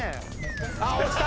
あ落ちた！